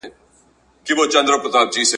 څه ښه یاران وه څه ښه یې زړونه ,